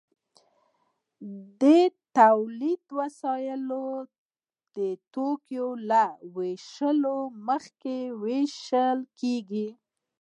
د تولید وسایل د توکو له ویشلو مخکې ویشل کیږي.